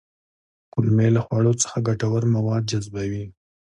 کولمې له خوړو څخه ګټور مواد جذبوي